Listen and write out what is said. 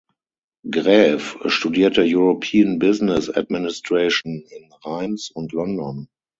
Graeff studierte European Business Administration in Reims und London.